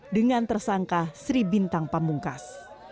dengan tersangka sri bintang pamungkas